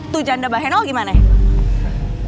tujanda bahenol gimana ya